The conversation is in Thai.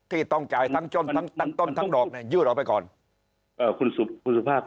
ที่ต้องจ่ายทั้งจนทั้งต้นทั้งดอกยืดออกไปก่อนเอ่อคุณสุภาพ